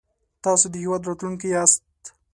تاسو د هېواد راتلونکی ياست